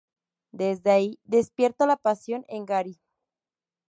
Desde ahí despierta la pasión en Gary.